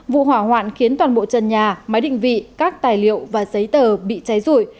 vụ hỏa hoạn khiến toàn bộ trần nhà máy định vị các tài liệu và giấy tờ bị cháy rụi